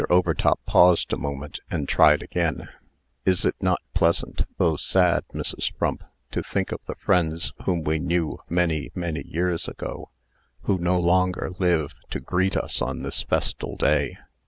Overtop paused a moment, and tried again: "Is it not pleasant, though sad, Mrs. Frump, to think of the friends whom we knew many, many years ago, who no longer live to greet us on this festal day?"